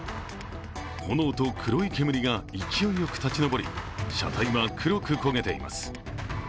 炎と黒い煙が勢いよく立ち上り車体は黒く焦げています。